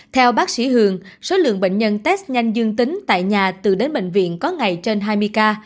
theo bác sĩ hường số lượng bệnh nhân test nhanh dương tính tại nhà từ đến bệnh viện có ngày trên hai mươi ca